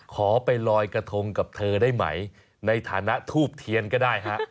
ขอไปลอยกระทงกับเธอได้ไหมในฐานะทูบเทียนก็ได้ฮะ